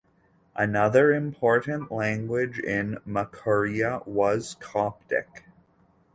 Another important language in Makuria was Coptic.